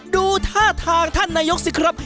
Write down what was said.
ดูท่าทางท่านนายกสิครับ